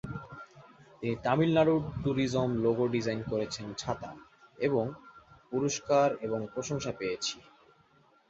তিনি Tamil Nadu tourism logo design করেছেন ছাতা এবং পুরস্কার এবং প্রশংসা পেয়েছি।